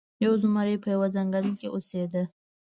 یو زمری په یوه ځنګل کې اوسیده.